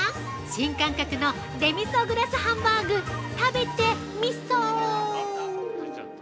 新感覚のデミソグラスハンバーグ食べてみそー！